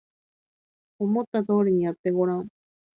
思った通りにやってごらん